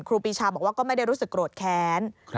ครูปีชาบอกว่าก็ไม่ได้รู้สึกโกรธแค้น